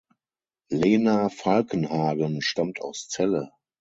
Lena Falkenhagen stammt aus Celle.